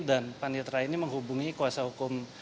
dan penitra ini menghubungi kuasa hukum